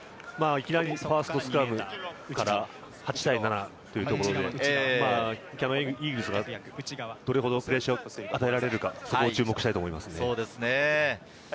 ファーストスクラムから８対７ということで、キヤノンイーグルスがどれほどプレッシャーを与えられるかに注目したいと思います。